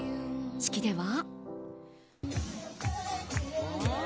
式では。